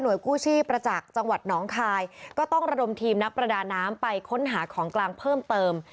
กู้ชีพประจักษ์จังหวัดหนองคายก็ต้องระดมทีมนักประดาน้ำไปค้นหาของกลางเพิ่มเติม